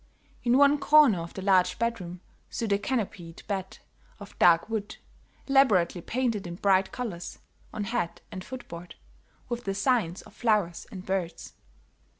In one corner of the large bedroom stood a canopied bed of dark wood, elaborately painted in bright colors, on head and foot board, with designs of flowers and birds.